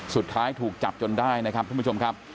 สุดท้ายถูกจับจนได้นะครับท่านผู้ชมครับ